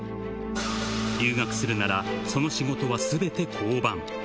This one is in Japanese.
留学するならその仕事はすべて降板。